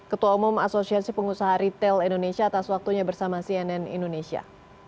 ketua umum asosiasi pengusaha retail indonesia atas waktunya bersama cnn indonesia